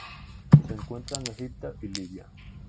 Se encuentra en Egipto y Libia.